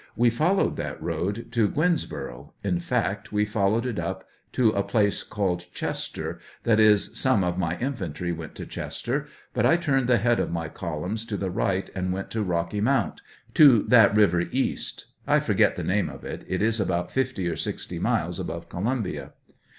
We followed that road to Gwinnsboro'; in fact, we followed it up to a place called "Chester ;" that is, some of my infantry went to Chester, but I turned the head of my column to the right, and went to Eocky Mount — to that river east; I forget the name of it; it is about 50 or 60 miles above Columbia, Q.